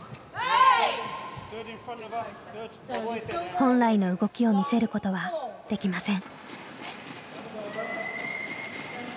本来の動きを見せることはできません。